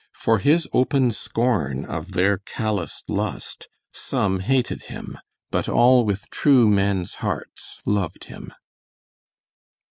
For his open scorn of their callous lust some hated him, but all with true men's hearts loved him.